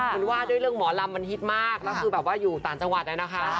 คุณว่าด้วยเรื่องหมอลำมันฮิตมากแล้วคืออยู่ต่างจังหวัดนั้นนะคะ